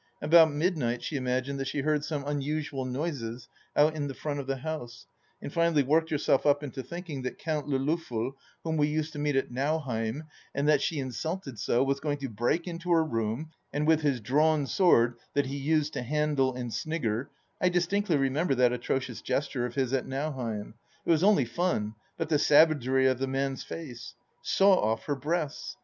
About mid night she imagined that she heard some unusual noises out in the front of the house, and finally worked herself up into thinking that that Count Le Loffel whom we used to meet at Nauheim, and that she insulted so, was going to break into her room, and with his drawn sword, that he used to handle and snigger — I distinctly remember that atrocious gesture of his at Nauheim ; it was only fun, but the savagery of the man's face !— ^saw oft her breasts.